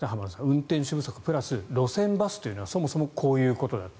運転手不足、路線バスというのはそもそもこういうことだと。